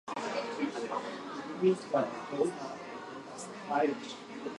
He was also a radio cricket commentator for the Australian Broadcasting Corporation.